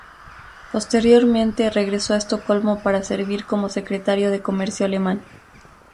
Posteriormente regresó a Estocolmo para servir como secretario de comercio alemán.